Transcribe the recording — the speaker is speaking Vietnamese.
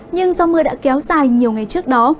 nhưng do mưa đã kéo dài nhiều ngày trước đó